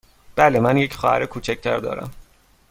بله، من یک خواهر کوچک تر دارم.